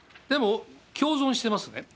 でも、共存してますね。